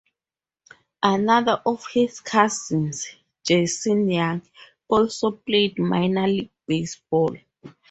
Another of his cousins, Jason Young, also played minor league baseball.